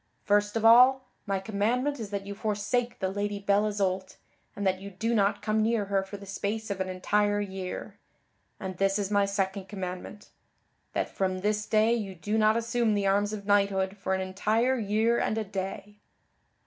First of all, my commandment is that you forsake the Lady Belle Isoult, and that you do not come near her for the space of an entire year. And this is my second commandment; that from this day you do not assume the arms of knighthood for an entire year and a day."